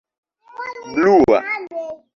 blua